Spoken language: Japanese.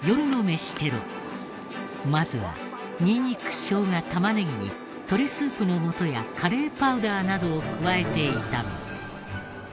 まずはにんにく生姜玉ねぎに鶏スープのもとやカレーパウダーなどを加えて炒め。